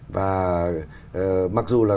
và mặc dù là